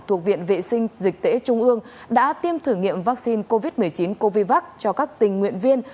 thuộc viện vệ sinh dịch tễ trung ương đã tiêm thử nghiệm vaccine covid một mươi chín covid một mươi chín cho các tình nguyện viên